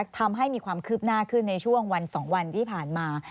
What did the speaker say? ทำให้มีความคืบหน้าขึ้นในช่วงวัน๒วันที่ผ่านมา